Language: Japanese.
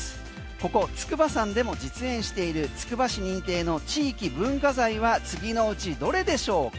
ここ筑波山でも実演しているつくば市認定の地域文化財は次のうちどれでしょうか？